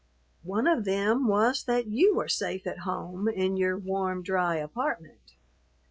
One of them was that you were safe at home in your warm, dry apartment.